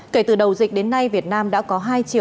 kể từ đầu dịch đến nay việt nam đã có